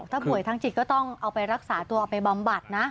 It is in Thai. ถ้าป่วยทางจิตก็ต้องเอาไปรักษาตัวเอาไปบำบัดนะ